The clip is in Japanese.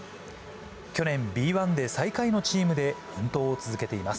去年、Ｂ１で最下位のチームで奮闘を続けています。